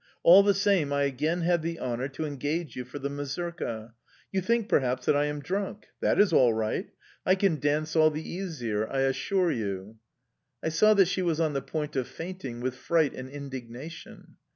All the same I again have the honour to engage you for the mazurka... You think, perhaps, that I am drunk! That is all right!... I can dance all the easier, I assure you"... I saw that she was on the point of fainting with fright and indignation.